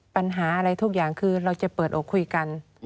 ปัญหาอะไรทุกอย่างคือเราจะเปิดอกคุยกัน